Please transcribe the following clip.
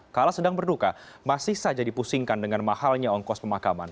kala sedang berduka masih saja dipusingkan dengan mahalnya ongkos pemakaman